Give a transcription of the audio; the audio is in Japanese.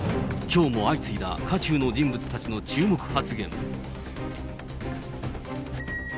きょうも相次いだ、渦中の人物たちの注目発言。